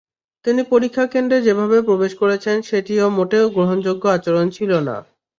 তিনি পরীক্ষা কেন্দ্রে যেভাবে প্রবেশ করেছেন, সেটিও মোটেই গ্রহণযোগ্য আচরণ ছিল না।